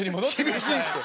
「厳しいって。